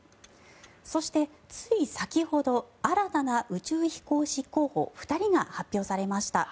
そして、つい先ほど新たな宇宙飛行士候補２人が発表されました。